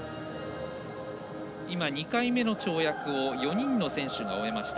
２回目の跳躍を４人の選手が終えました。